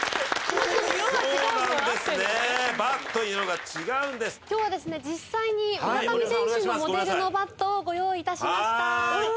森山：今日はですね、実際に村上選手のモデルのバットをご用意いたしました。